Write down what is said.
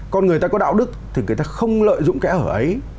con người ta có đạo đức thì người ta không lợi dụng kẻ ở ấy